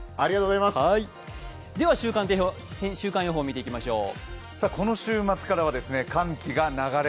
では週間予報を見ていきましょう。